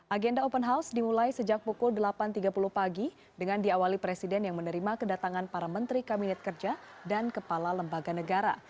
agenda open house dimulai sejak pukul delapan tiga puluh pagi dengan diawali presiden yang menerima kedatangan para menteri kabinet kerja dan kepala lembaga negara